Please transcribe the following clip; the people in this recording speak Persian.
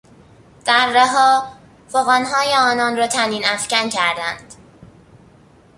درهها فغانهای آنان را طنینافکن کردند.